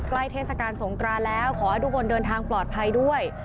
เทศกาลสงกรานแล้วขอให้ทุกคนเดินทางปลอดภัยด้วย